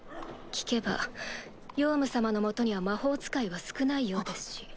聞けばヨウム様の下には魔法使いは少ないようですし。